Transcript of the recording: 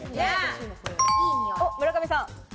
村上さん。